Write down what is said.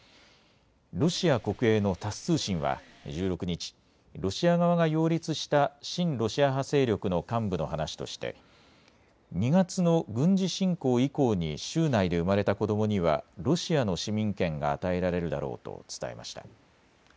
ロシア国営のタス通信は１６日、ロシア側が擁立した親ロシア派勢力の幹部の話として２月の軍事侵攻以降に州内で生まれた子どもにはロシアの市民権が与えられるだろうと伝えました。